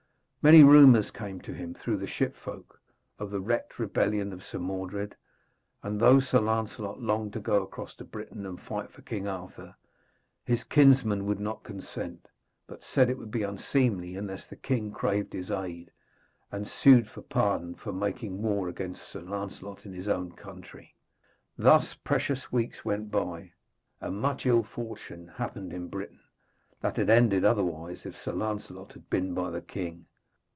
Many rumours came to him, through the ship folk, of the wicked rebellion of Sir Mordred, and though Sir Lancelot longed to go across to Britain and fight for King Arthur, his kinsmen would not consent, but said it would be unseemly, unless the king craved his aid, and sued for pardon for making war against Sir Lancelot in his own country. Thus the precious weeks went by, and much ill fortune happened in Britain, that had ended otherwise if Sir Lancelot had been by the king.